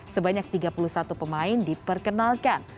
sebanyak tiga puluh satu pemain diperkenalkan